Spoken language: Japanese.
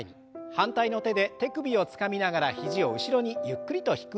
反対の手で手首をつかみながら肘を後ろにゆっくりと引く運動です。